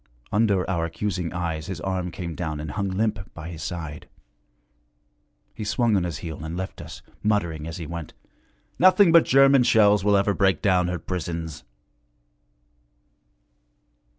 Under our accusing eyes his arm came down and hung limp by his side. He swung on his heel and left us, muttering as he went, 'Nothing but German shells will ever break down her prisons.'